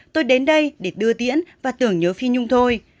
tôi đến đây để đưa tiễn và tưởng nhớ phi nhung thôi